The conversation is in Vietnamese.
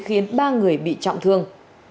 khiến ba người bị trọng thương